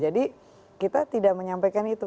jadi kita tidak menyampaikan itu